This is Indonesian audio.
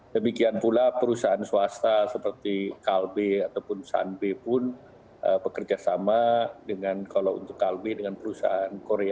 demikian pula perusahaan swasta seperti calbee ataupun sanbee pun bekerjasama dengan kalau untuk calbee dengan perusahaan korea genexin